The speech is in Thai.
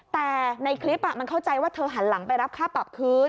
แต่ในคลิปมันเข้าใจว่าเธอหันหลังไปรับค่าปรับคืน